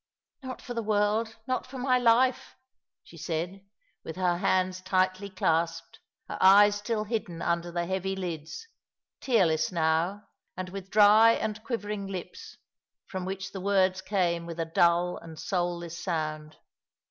" Not for the world, not for my life," she said, with her hands tightly clasped, her eyes still hidden under the heavy lids, tearless now — and with dry and quivering lips, from which the words came with a dull and soulless sound.